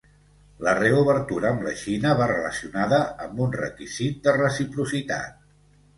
La reobertura amb la Xina va relacionada amb un requisit de reciprocitat.